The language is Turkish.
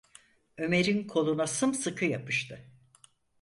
Ömer’in koluna sımsıkı yapıştı.